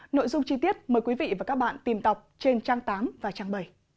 nội dung chi tiết mời quý vị và các bạn tìm tọc trên trang tám và trang bảy